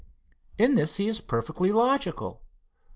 In this he is perfectly logical.